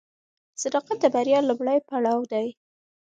صداقت د بریا لومړی پړاو دی.